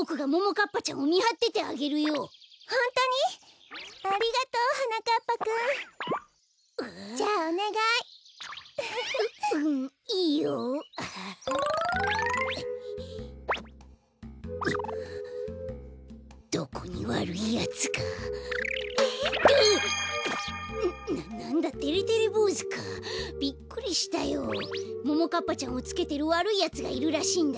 ももかっぱちゃんをつけてるわるいやつがいるらしいんだ。